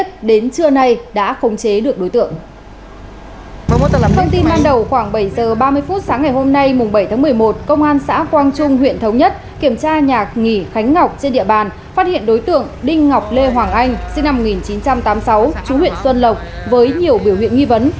từ ba mươi phút sáng ngày hôm nay mùng bảy tháng một mươi một công an xã quang trung huyện thống nhất kiểm tra nhà nghỉ khánh ngọc trên địa bàn phát hiện đối tượng đinh ngọc lê hoàng anh sinh năm một nghìn chín trăm tám mươi sáu trú huyện xuân lộc với nhiều biểu hiện nghi vấn